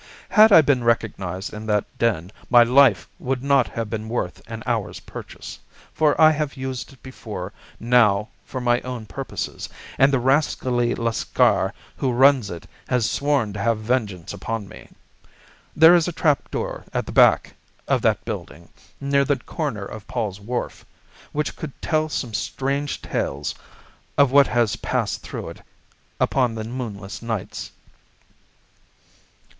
Had I been recognised in that den my life would not have been worth an hour's purchase; for I have used it before now for my own purposes, and the rascally Lascar who runs it has sworn to have vengeance upon me. There is a trap door at the back of that building, near the corner of Paul's Wharf, which could tell some strange tales of what has passed through it upon the moonless nights."